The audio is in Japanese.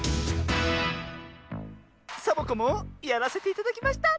サボ子もやらせていただきました！